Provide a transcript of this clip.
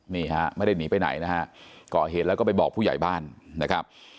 นี่ฮะไม่ได้หนีไปไหนนะฮะก่อเหตุแล้วก็ไปบอกผู้ใหญ่บ้านนะครับ